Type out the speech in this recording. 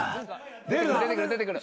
・出てくる出てくる。